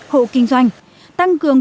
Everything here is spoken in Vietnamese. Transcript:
hộ kinh doanh tăng cường